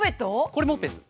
これモペット。